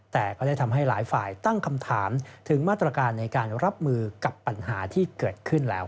แต่ก็ได้ทำให้หลายฝ่ายตั้งคำถามถึงมาตรการในการรับมือกับปัญหาที่เกิดขึ้นแล้ว